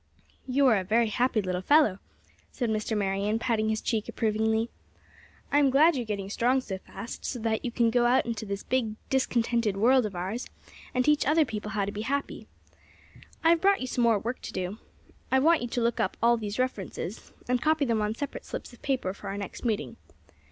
"You are a very happy little fellow," said Mr. Marion, patting his cheek, approvingly. "I am glad you are getting strong so fast, so that you can go out into this big, discontented world of ours, and teach other people how to be happy. I've brought you some more work to do. I want you to look up all these references, and copy them on separate slips of paper for our next meeting.